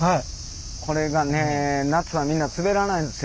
これがね夏はみんなすべらないんですよ。